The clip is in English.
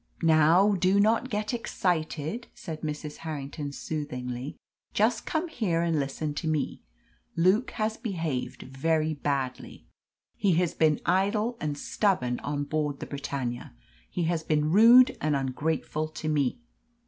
"Now, do not get excited," said Mrs. Harrington soothingly. "Just come here and listen to me. Luke has behaved very badly. He has been idle and stubborn on board the Britannia. He has been rude and ungrateful to me."